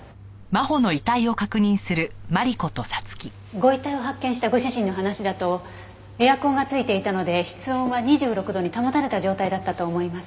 ご遺体を発見したご主人の話だとエアコンがついていたので室温は２６度に保たれた状態だったと思います。